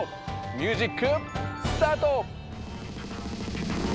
ミュージックスタート！